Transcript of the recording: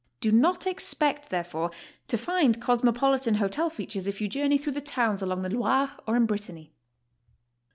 Do not 'expect, therefore, to find cos mopolitan 'hotel features if you journey through the towns along the Loire or in Brittany.